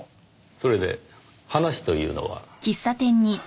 それで話というのは？